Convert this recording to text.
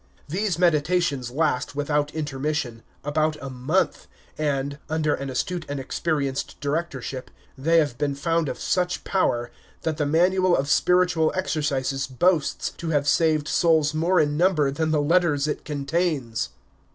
These meditations last, without intermission, about a month, and, under an astute and experienced directorship, they have been found of such power, that the Manual of Spiritual Exercises boasts to have saved souls more in number than the letters it contains.